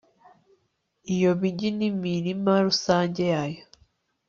iyo migi n'imirima rusange yayo